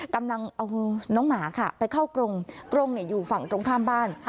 กำลังเอาน้องหมาค่ะไปเข้ากรงกรงอยู่ฝั่งตรงข้ามบ้าน